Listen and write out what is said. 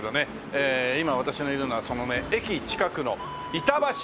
ええ今私がいるのはそのね駅近くの板橋十景。